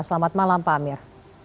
selamat malam pak amir